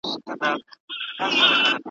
غلیم ته غشی تر دوست قربان یم `